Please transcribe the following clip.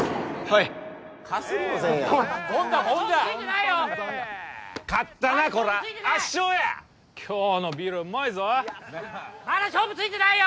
いや最高まだ勝負ついてないよ！